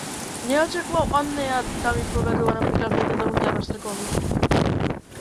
Не очекувам од неа да ми поверува на приказните за луѓето-штркови.